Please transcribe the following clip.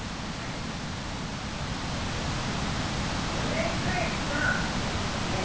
１０年くらいしたメスですね。